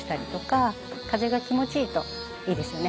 風が気持ちいいといいですよね。